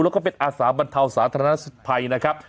แล้วก็เป็นอาสาบรรเทาสาธารณสุขภัยนะครับ